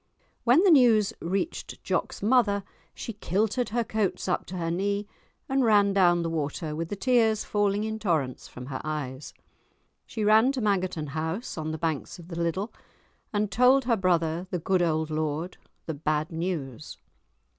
When the news reached Jock's mother she kilted her coats up to her knee, and ran down the water with the tears falling in torrents from her eyes. She ran to Mangerton House, on the banks of the Liddel, and told her brother, the good old lord, the bad news.